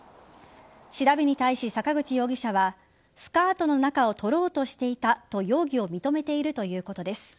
調べに対し、坂口容疑者はスカートの中を撮ろうとしていたと容疑を認めているということです。